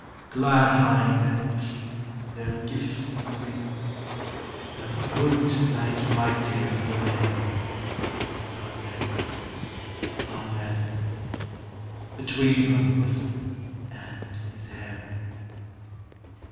Glad Hinde and King Their Gyfte may bring But wo'd to night my Teares were there, Amen, Amen: Between her Bosom and His hayre!